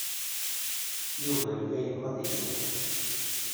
Yuba yella yebɣa ad yettwer.